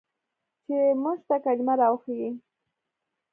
چې موږ ته کلمه راوښييه.